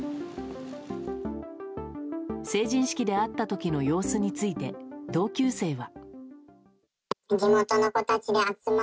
成人式で会った時の様子について同級生は。